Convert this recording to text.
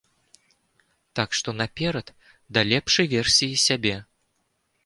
Так што наперад, да лепшай версіі сябе!